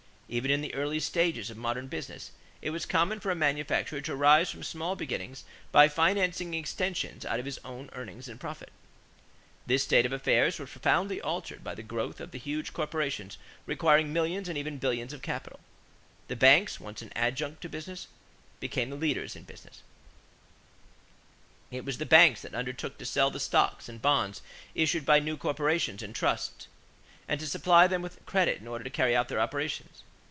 Even in the early stages of modern business, it was common for a manufacturer to rise from small beginnings by financing extensions out of his own earnings and profits. This state of affairs was profoundly altered by the growth of the huge corporations requiring millions and even billions of capital. The banks, once an adjunct to business, became the leaders in business. [Illustration: Copyright by Underwood and Underwood, N.Y. WALL STREET, NEW YORK CITY] It was the banks that undertook to sell the stocks and bonds issued by new corporations and trusts and to supply them with credit to carry on their operations.